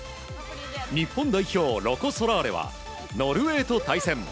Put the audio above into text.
日本代表、ロコ・ソラーレはノルウェーと対戦。